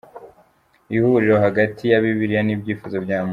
Ihuriro hagati ya Bibiliya n’ibyifuzo bya muntu.